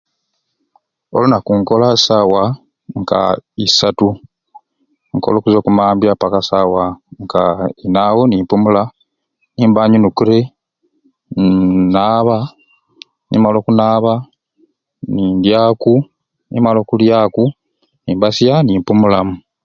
Olunaku nkola sawa nka isaatu, nkola okuzwa okumambya mpaka sawa nka inai awo nimpumula, nimba nyinukiire mmm naba nimala okunaba nindyaku nimala okulyaku nimbasya nimpumulamu.